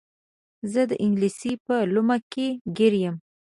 زه د انګلیس په لومه کې ګیر یم.